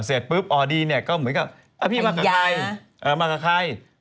เสร็จปุ๊บออดี้ก็เหมือนกับพี่มากับใคร